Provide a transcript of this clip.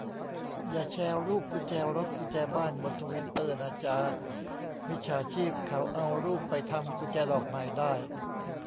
อย่าแชร์รูปกุญแจรถ กุญแจบ้าน บนทวิตเตอร์นาจา มิจฉาชีพเขาเอารูปไปทำกุญแจดอกใหม่ได้